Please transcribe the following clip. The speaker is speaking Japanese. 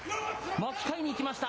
巻きかえにいきました。